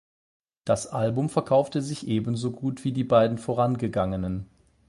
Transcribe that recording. Das Album verkaufte sich ebenso gut wie die beiden vorangegangenen.